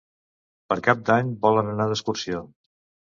Per Cap d'Any volen anar d'excursió.